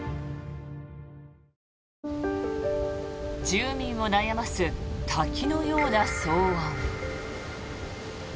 住民を悩ます滝のような騒音。